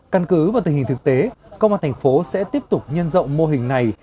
căn cứ vào tình hình thực tế công an tp sẽ tiếp tục nhân rộng mô hình này